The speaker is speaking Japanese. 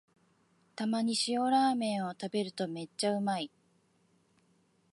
たまに塩ラーメンを食べるとめっちゃうまい